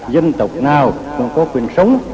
dân tộc nào cũng có quyền sống